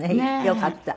よかった。